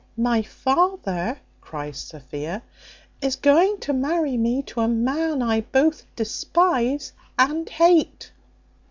"My father," cries Sophia, "is going to marry me to a man I both despise and hate."